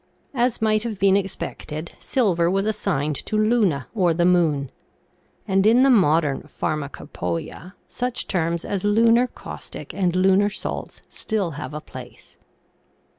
As might have been expected, silver was assigned to Luna or the moon, and in the modern pharmacopoeia such terms as lunar caustic and lunar salts still have a place.